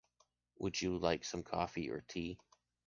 Would you like some coffee or tea?